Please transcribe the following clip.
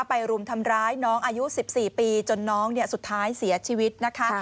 รุมทำร้ายน้องอายุ๑๔ปีจนน้องสุดท้ายเสียชีวิตนะคะ